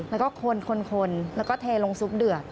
แล้วก็คนแล้วก็เทลงซุปเดือด